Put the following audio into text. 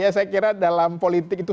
ya saya kira dalam politik itu